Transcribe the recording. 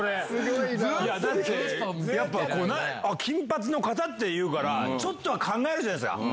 だって、やっぱ金髪の方っていうから、ちょっとは考えるじゃないですか。